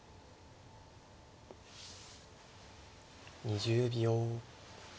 ２０秒。